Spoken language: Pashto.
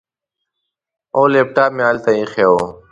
هو، لیپټاپ مې هلته ایښی و.